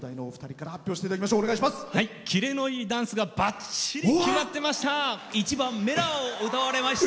キレのいいダンスがばっちり決まってました。